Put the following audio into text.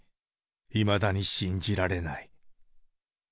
いまだに信じられない。